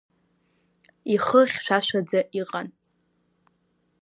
Ихы хьшәашәаӡа иҟан.